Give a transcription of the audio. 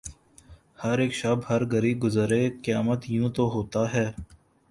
ہر اک شب ہر گھڑی گزرے قیامت یوں تو ہوتا ہے